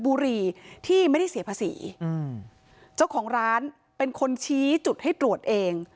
บุรีที่ไม่ได้เสียภาษีอืมเจ้าของร้านเป็นคนชี้จุดให้ตรวจเอง